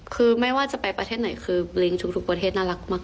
คือไม่ว่าจะไปประเทศไหนคือลิงทุกประเทศน่ารักมาก